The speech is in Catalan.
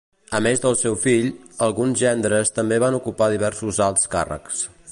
A més del seu fill, alguns gendres també van ocupar diversos alts càrrecs.